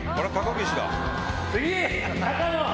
次高野！